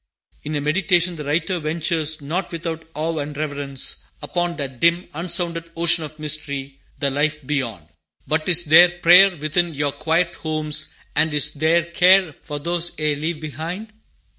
In A Meditation, the writer ventures, not without awe and reverence, upon that dim, unsounded ocean of mystery, the life beyond: "But is there prayer Within your quiet homes, and is there care For those ye leave behind?